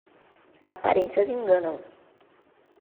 Aparências enganam.